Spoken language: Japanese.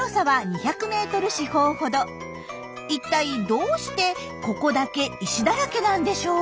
いったいどうしてここだけ石だらけなんでしょう？